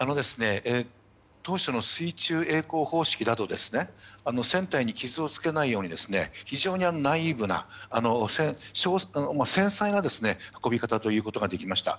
当初の水中曳航方式だと船体に傷をつけないように非常にナイーブで繊細な運び方ができました。